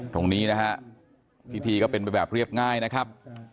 ตรงนี้นะฮะพิธีก็เป็นไปแบบเรียบง่ายนะครับ